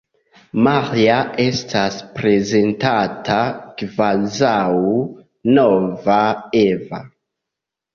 Maria estas prezentata kvazaŭ nova Eva.